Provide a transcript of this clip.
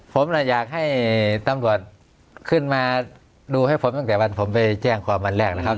ผมอยากให้ตำรวจขึ้นมาดูให้ผมตั้งแต่วันผมไปแจ้งความวันแรกนะครับ